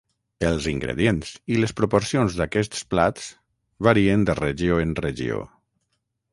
Els ingredients i les proporcions d'aquests plats varien de regió en regió.